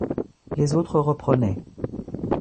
Les autres reprenaient.